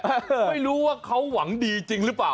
ไม่รู้ว่าเขาหวังดีจริงหรือเปล่า